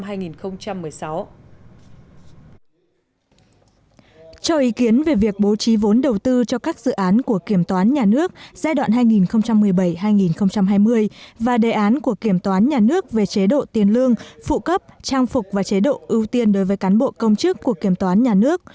trước đó ủy ban thường vụ quốc hội cho ý kiến về việc bố trí vốn đầu tư cho các dự án của kiểm toán nhà nước giai đoạn hai nghìn một mươi bảy hai nghìn hai mươi và đề án của kiểm toán nhà nước về chế độ tiền lương phụ cấp trang phục và chế độ ưu tiên đối với cán bộ công chức của kiểm toán nhà nước